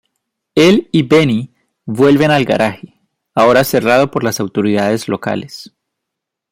Él y Benny vuelven al garaje, ahora cerrado por las autoridades locales.